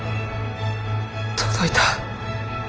届いた。